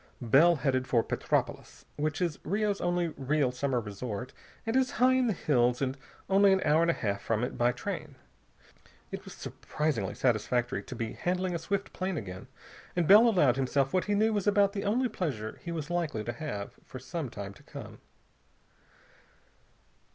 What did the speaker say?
Bell headed for Petropolis, which is Rio's only real summer resort and is high in the hills and only an hour and a half from it by train. It was surprisingly satisfactory to be handling a swift plane again, and Bell allowed himself what he knew was about the only pleasure he was likely to have for some time to come.